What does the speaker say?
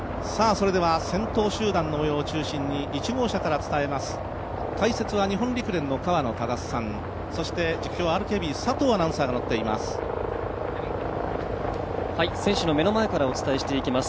それでは先頭集団の模様を中心に１号車から伝えます。